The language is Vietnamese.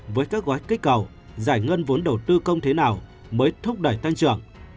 với các gói kích cầu giải ngân vốn đầu tư công thế nào mới thúc đẩy tăng trưởng